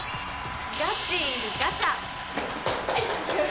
ガチガチャ！